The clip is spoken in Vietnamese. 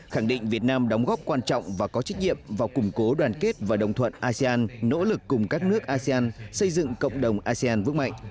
khẳng định việt nam đóng góp quan trọng và có trách nhiệm vào củng cố đoàn kết và đồng thuận asean nỗ lực cùng các nước asean xây dựng cộng đồng asean vững mạnh